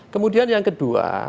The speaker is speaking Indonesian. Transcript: kemudian yang kedua